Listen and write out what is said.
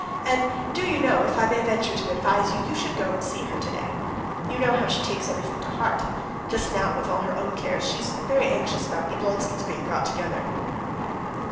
And, do you know, if I may venture to advise you, you should go and see her today. You know how she takes everything to heart. Just now, with all her own cares, she's anxious about the Oblonskys being brought together."